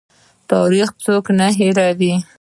تاریخ څوک نه هیروي